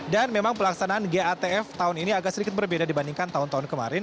dan memang pelaksanaan gatf tahun ini agak sedikit berbeda dibandingkan tahun tahun kemarin